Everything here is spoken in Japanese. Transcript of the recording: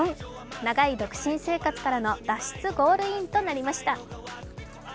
長い独身生活からの脱出ゴールインとなりました。